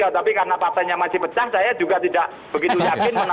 tapi karena partainya masih pecah saya juga tidak begitu yakin menangkap